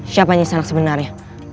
siapanya sanak sebenarnya